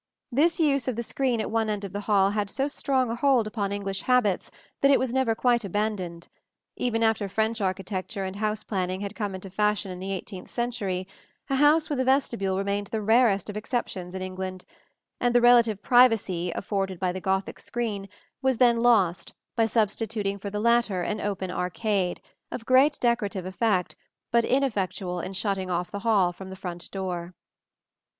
This use of the screen at one end of the hall had so strong a hold upon English habits that it was never quite abandoned. Even after French architecture and house planning had come into fashion in the eighteenth century, a house with a vestibule remained the rarest of exceptions in England; and the relative privacy afforded by the Gothic screen was then lost by substituting for the latter an open arcade, of great decorative effect, but ineffectual in shutting off the hall from the front door.